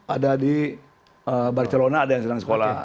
ada di barcelona ada yang sedang sekolah